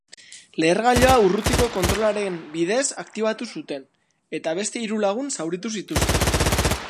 Lehergailua urrutiko kontrolaren bidez aktibatu zuten, eta beste hiru lagun zauritu zituzten.